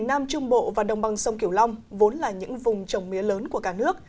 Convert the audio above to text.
nam trung bộ và đồng bằng sông kiểu long vốn là những vùng trồng mía lớn của cả nước